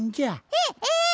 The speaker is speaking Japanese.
えっえっ！？